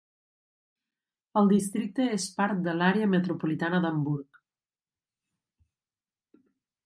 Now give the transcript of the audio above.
El districte és part de l'Àrea metropolitana d'Hamburg.